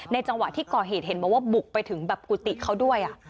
จังหวะที่ก่อเหตุเห็นบอกว่าบุกไปถึงแบบกุฏิเขาด้วย